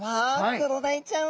クロダイちゃん。